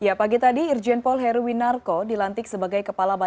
ya pagi tadi irjen paul heruwinarko dilantik sebagai kepala badan